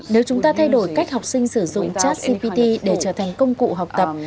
nếu chúng ta thay đổi cách học sinh sử dụng chat gpt để trở thành công cụ học tập